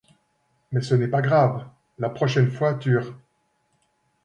Mais ce n'est pas grave, la prochaine fois tu r